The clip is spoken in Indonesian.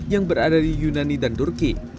yang berada di yunani dan turki